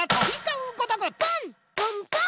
ポンポン！